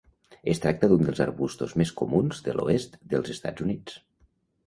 Es tracta d'un dels arbustos més comuns de l'oest dels Estats Units.